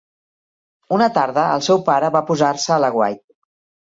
Una tarda el seu pare va posar-se a l'aguait